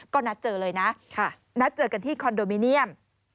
ก็นัดเจอเลยนะนัดเจอกันที่คอนโดมิเนียม